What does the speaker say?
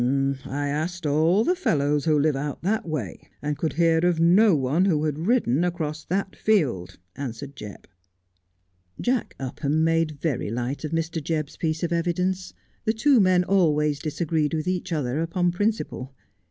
' I asked all the fellows who live out that way, and could hear of no one who had ridden across that field,' answered Jebb. Jack Upham made very light of Mr. Jebb's piece of evidence. The two men always disagreed with each other upon principle.